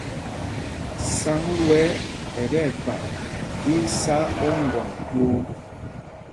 Sǎŋg wɛ̄ ɛ tí ɛkpay, í í sá oŋgɔn twoo.